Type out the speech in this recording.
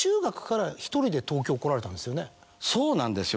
そうなんですよ